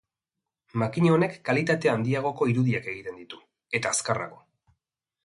Makina honek kalitate handiagoko irudiak egiten ditu, eta azkarrago.